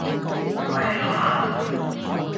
我係你個客